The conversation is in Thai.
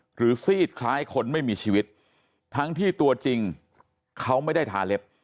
ซีดคล้ายคนไม่มีชีวิตทั้งที่ตัวจริงเขาไม่ได้ทาเล็บ